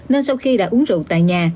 nên sau khi đã uống rượu tại nhà